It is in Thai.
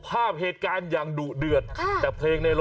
หาวกระบะมันถือมีด